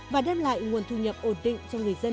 và đem lại nguồn thu nhập ổn định cho người dân